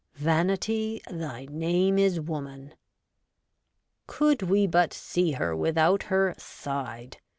Vamty, thy name is woman ^ Could we but see her without her ' side